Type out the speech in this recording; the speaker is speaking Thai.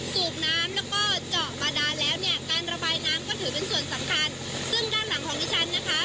ซึ่งด้านหลังของดิฉันนะคะ